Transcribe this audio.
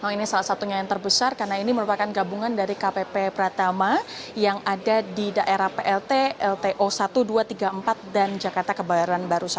ini salah satunya yang terbesar karena ini merupakan gabungan dari kpp pratama yang ada di daerah plt lto seribu dua ratus tiga puluh empat dan jakarta kebayaran baru satu